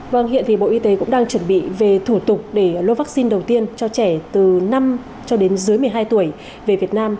vâng hiện thì bộ y tế cũng đang chuẩn bị về thủ tục để lô vaccine đầu tiên cho trẻ từ năm cho đến dưới một mươi hai tuổi về việt nam